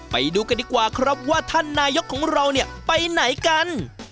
ไปดูกันดีกว่าครับว่าท่านนายกของเราเนี่ยไปไหนกัน